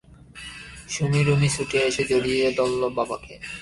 সুমী রুমী ছুটে এসে জড়িয়ে ধরল বাবাকে!